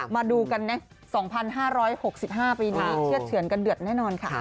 มาดูกันนะ๒๕๖๕ปีนี้เชื่อเฉือนกันเดือดแน่นอนค่ะ